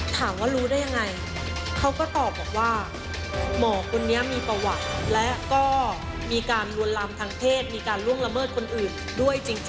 ถามว่ารู้ได้ยังไงเขาก็ตอบบอกว่าหมอคนนี้มีประวัติและก็มีการลวนลามทางเพศมีการล่วงละเมิดคนอื่นด้วยจริง